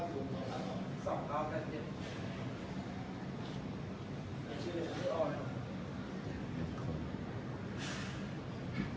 ส่วนสุดท้ายส่วนสุดท้าย